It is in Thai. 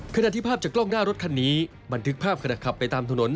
ขณะที่ภาพจากกล้องหน้ารถคันนี้บันทึกภาพขณะขับไปตามถนน